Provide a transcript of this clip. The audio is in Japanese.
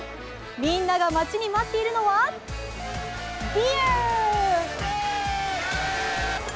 みんなが待ちに待っているのはビアー！